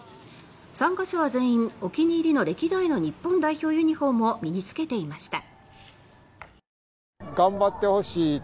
参加者は全員お気に入りの歴代の日本代表ユニホームを身に着けていました。